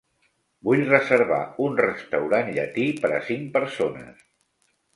Vull reservar un restaurant llatí per a cinc persones.